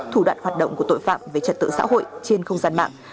thủ đoạn hoạt động của tội phạm về trật tự xã hội trên không gian mạng